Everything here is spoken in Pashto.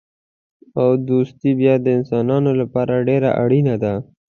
او دوستي بیا د انسانانو لپاره ډېره اړینه ده.